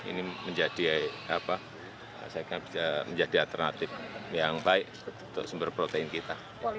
ini menjadi alternatif yang baik untuk sumber protein kita